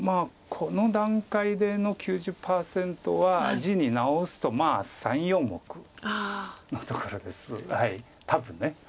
この段階での９０％は地に直すと３４目のところです多分。